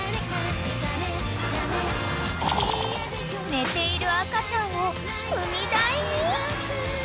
［寝ている赤ちゃんを踏み台に］